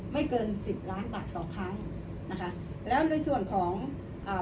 ไม่เกินสิบล้านบาทต่อครั้งนะคะแล้วในส่วนของอ่า